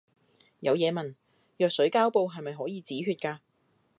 有嘢問，藥水膠布係咪可以止血㗎